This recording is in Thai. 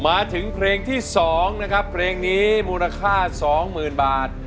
มาถึงเพลงที่๒นะครับเพลงนี้มูลค่า๒๐๐๐บาท